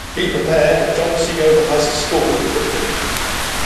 He prepared at John C. Overhiser's School in Brooklyn.